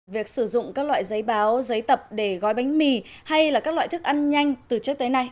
việc sử dụng các loại giấy báo giấy tập để gói bánh mì hay là các loại thức ăn nhanh từ trước tới nay